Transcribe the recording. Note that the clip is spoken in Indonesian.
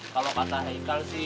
kalau kata eikal